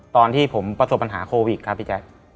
ตอนที่ผมประสบปัญหาโควิดครับพี่แจ๊ค